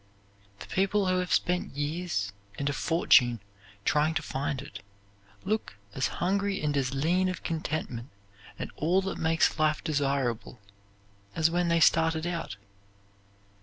The people who have spent years and a fortune trying to find it look as hungry and as lean of contentment and all that makes life desirable as when they started out.